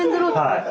はい。